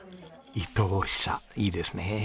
いとおしさいいですね。